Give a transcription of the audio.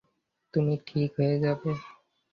তুমি ঠিক হয়ে যাবে।